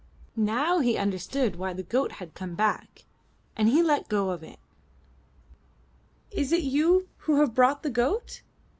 Now he understood why the goat had come back, and he let go of it. Is it you who have brought the goat?"